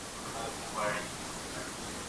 هغوی به ډېر ژر خپل کارونه پیل کړي.